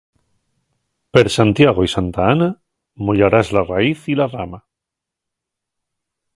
Per Santiago y Santa Ana, moyarás la raíz y la rama.